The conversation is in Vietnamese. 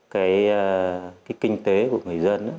cái kinh tế của người dân